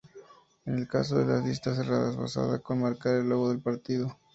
En el caso de las listas cerradas bastaba con marcar el logo del partido.